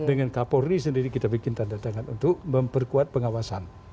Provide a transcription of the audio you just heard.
dengan kapolri sendiri kita bikin tanda tangan untuk memperkuat pengawasan